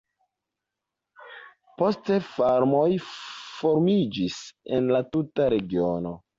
Poste farmoj formiĝis en la tuta regiono.